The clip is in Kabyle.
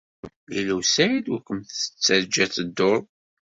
Lila u Saɛid ur kem-tettajja ad tedduḍ.